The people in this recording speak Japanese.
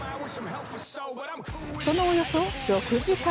そのおよそ６時間